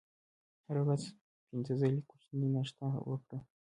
هره ورځ پنځه ځلې کوچنۍ ناشته وکړئ.